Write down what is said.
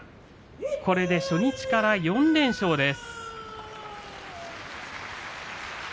これで初日から４連勝です。